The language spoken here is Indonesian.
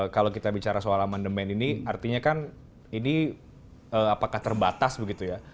kalau kita bicara soal amandemen ini artinya kan ini apakah terbatas begitu ya